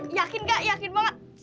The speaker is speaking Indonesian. iya yakin kak yakin banget